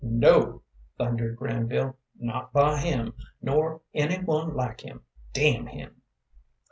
"No!" thundered Granville "not by him, nor any one like him. Damn him!"